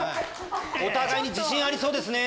お互いに自信ありそうですね。